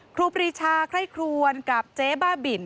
ครูปรีชาไคร่ครวนกับเจ๊บ้าบิน